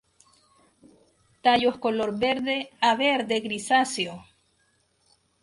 Tallos color verde a verde grisáceo.